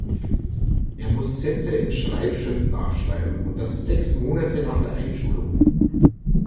Er muss Sätze in Schreibschrift nachschreiben. Und das sechs Monate nach der Einschulung.